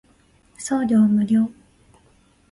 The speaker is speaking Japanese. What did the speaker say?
送料無料